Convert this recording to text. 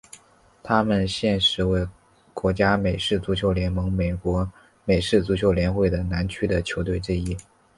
他们现时为国家美式足球联盟美国美式足球联会的南区的球队之一。